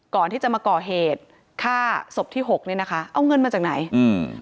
ก่อนที่จะมาก่อเหตุฆ่าศพที่หกเนี้ยนะคะเอาเงินมาจากไหนอืม